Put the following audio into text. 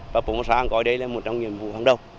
và bộ mô sát còn có ở đây là một trong nhiệm vụ hàng đầu